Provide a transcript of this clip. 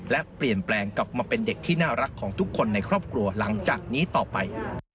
และเปลี่ยนแปลงกลับมาเป็นเด็กที่น่ารักของทุกคนในครอบครัวหลังจากนี้ต่อไป